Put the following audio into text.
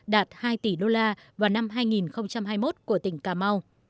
đạt hai tỷ đô la vào năm hai nghìn hai mươi một của tỉnh cà mau